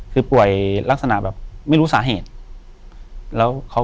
อยู่ที่แม่ศรีวิรัยิลครับ